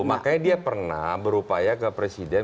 makanya dia pernah berupaya ke presiden